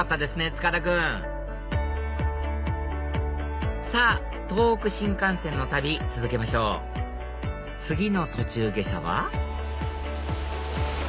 塚田君さぁ東北新幹線の旅続けましょう次の途中下車は？